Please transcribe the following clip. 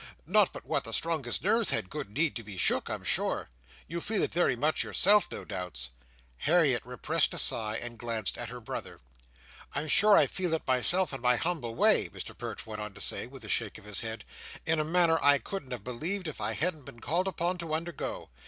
Not but what the strongest nerves had good need to be shook, I'm sure. You feel it very much yourself, no doubts." Harriet repressed a sigh, and glanced at her brother. "I'm sure I feel it myself, in my humble way," Mr Perch went on to say, with a shake of his head, "in a manner I couldn't have believed if I hadn't been called upon to undergo.